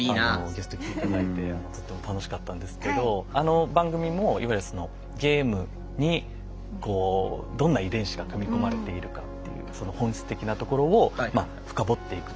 ゲスト来て頂いてとっても楽しかったんですけどあの番組もいわゆるそのゲームにこうどんな遺伝子が組み込まれているかっていうその本質的なところをまあ深掘っていくという